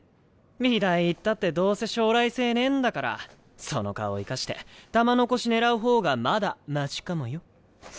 美大行ったってどうせ将来性ねぇんだからその顔生かして玉の輿狙う方がまだマシかもよ。